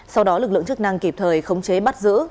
sau đó lực lượng chức năng kịp thời khống chế bắt giữ